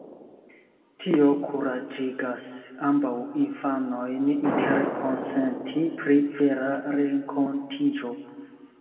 Tio kuraĝigas ambaŭ infanojn interkonsenti pri "vera" renkontiĝo.